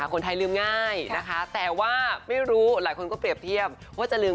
คนไทยลืมง่ายนะคะแต่ว่าไม่รู้หลายคนก็เปรียบเทียบว่าจะลืม